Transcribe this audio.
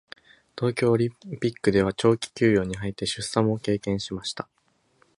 東京オリンピックでは長期休養に入って出産も経験しました。